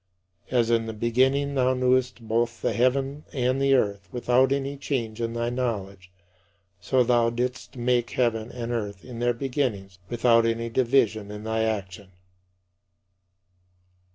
As in the beginning thou knewest both the heaven and the earth without any change in thy knowledge, so thou didst make heaven and earth in their beginnings without any division in thy action.